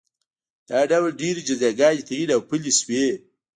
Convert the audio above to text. دا ډول ډېرې جزاګانې تعین او پلې شوې.